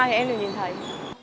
thì em được nhìn thấy